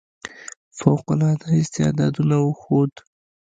فوق العاده استعداد وښود.